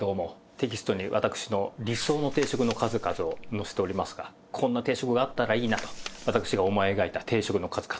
テキストに私の理想の定食の数々を載せておりますが「こんな定食があったらいいな」と私が思い描いた定食の数々。